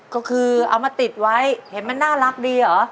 ก็คือเอามาติดไว้เห็นมันน่ารักดีเหรอ